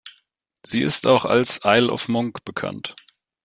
Sie ist auch als "Isle of Monk" bekannt.